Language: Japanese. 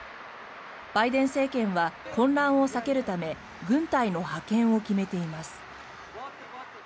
バイデン政権は混乱を避けるため軍隊の派遣を決めています。